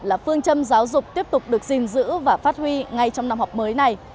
là phương châm giáo dục tiếp tục được gìn giữ và phát huy ngay trong năm học mới này